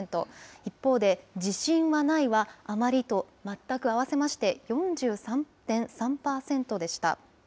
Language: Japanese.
一方で、自信はないが、あまりと全くを合わせまして、４３．３％でした。